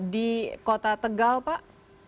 di kota tegal pak